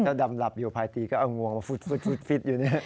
ถ้าดำหลับอยู่ภายตีก็เอางวงมาฟุดอยู่เนี่ย